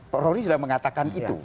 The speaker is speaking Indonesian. pak roy sudah mengatakan itu